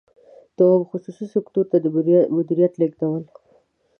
دوهم: خصوصي سکتور ته د مدیریت لیږدول.